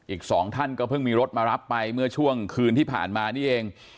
อีกสองท่านก็เพิ่งมีรถมารับไปเมื่อช่วงคืนที่ผ่านมานี่เอง